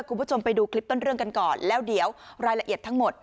คุณผู้ชมไปดูคลิปต้นเรื่องกันก่อนแล้วเดี๋ยวรายละเอียดทั้งหมด